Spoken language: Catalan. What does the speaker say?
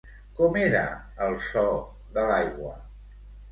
Com era el so de l'aigua?